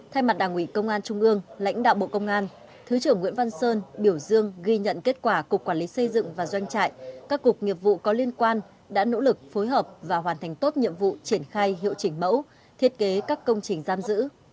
thay mặt đảng ủy công an trung ương lãnh đạo bộ công an thứ trưởng nguyễn văn sơn biểu dương ghi nhận kết quả cục quản lý xây dựng và doanh trại các cục nghiệp vụ có liên quan đã nỗ lực phối hợp và hoàn thành tốt nhiệm vụ triển khai hiệu chỉnh mẫu thiết kế các công trình giam giữ